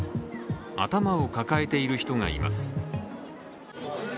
頭を抱えている人がいます。